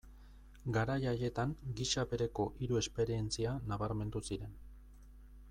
Garai haietan gisa bereko hiru esperientzia nabarmendu ziren.